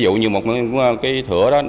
ví dụ như một cái thửa đó